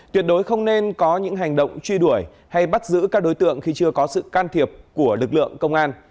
tuyệt đối không nên có những hành động truy đuổi hay bắt giữ các đối tượng khi chưa có sự can thiệp của lực lượng công an